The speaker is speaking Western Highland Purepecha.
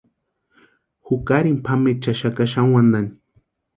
Jukarini pʼamechaxaka xani wantani.